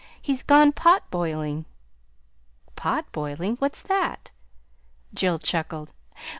"He's gone pot boiling." "Pot boiling! What's that?" Jill chuckled.